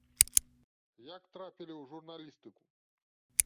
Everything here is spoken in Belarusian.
Як трапілі ў журналістыку?